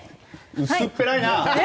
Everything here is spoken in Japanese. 薄っぺらいな！